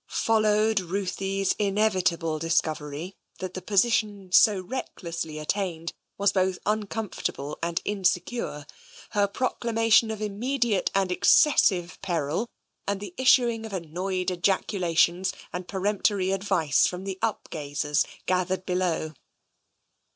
Followed Ruthie's inevitable discovery that the po sition so recklessly attained was both uncomfortable and insecure, her proclamation of immediate and exces sive peril, and the issuing of annoyed ejaculations and peremptory advice from the upgazers gathered below.